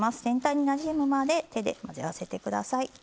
全体になじむまで手で混ぜ合わせてください。